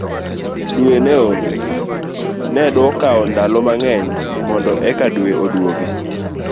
dwe ne onge, nedokawo ndalo mang'eny mondo eka dwe odwogi